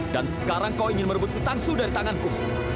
dan sekarang kau ingin merebut si tang su dari tanganku